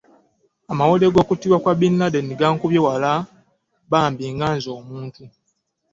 Amawulire g‘okuttibwa kwa Bin Laden gankubye wala bambi nze ng'omuntu.